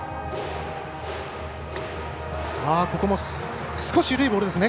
ここも少し緩いボールですね。